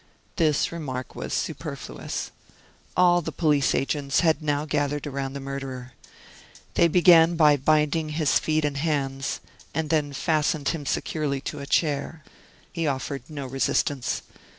This remark was superfluous. All the police agents had now gathered around the murderer. They began by binding his feet and hands, and then fastened him securely to a chair. He offered no resistance.